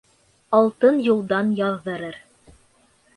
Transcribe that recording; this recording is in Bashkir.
Алтын юлдан яҙҙырыр.